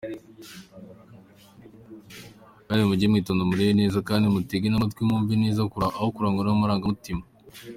Kandi mujye mwitonda murebe neza kandi mutege namatwi mwumve neza aho kurangwa namarangamutima.